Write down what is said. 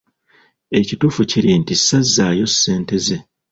Ekituufu kiri nti sazzaayo ssente ze.